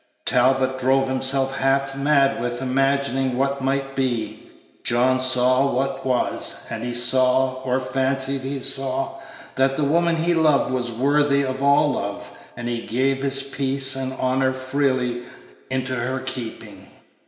Talbot drove himself half mad with Page 61 imagining what might be; John saw what was, and he saw, or fancied he saw, that the woman he loved was worthy of all love, and he gave his peace and honor freely into her keeping.